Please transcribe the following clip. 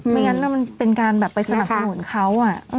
ไม่งั้นมันเป็นการแบบไปสนับสนุนเขา